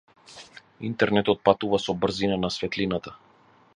Интернетот патува со брзина на светлината.